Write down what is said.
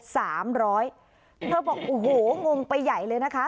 สามร้อยเธอบอกโอ้โหงงไปใหญ่เลยนะคะ